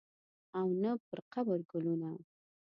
او نه پرقبر ګلونه